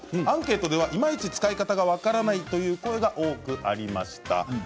アンケートではいまいち使い方が分からないという声が多くありました。